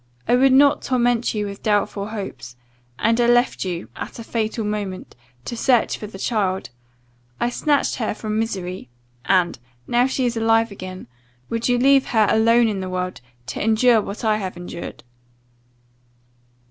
I would not torment you with doubtful hopes, and I left you (at a fatal moment) to search for the child! I snatched her from misery and (now she is alive again) would you leave her alone in the world, to endure what I have endured?